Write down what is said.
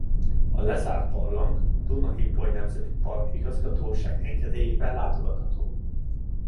A lezárt barlang a Duna–Ipoly Nemzeti Park Igazgatóság engedélyével látogatható.